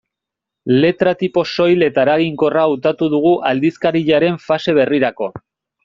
Letra-tipo soil eta eraginkorra hautatu dugu aldizkariaren fase berrirako.